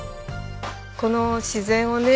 この自然をね